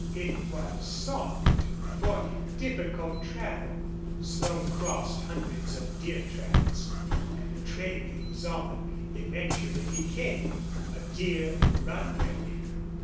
It was soft, affording difficult travel. Slone crossed hundreds of deer tracks, and the trail he was on eventually became a deer runway.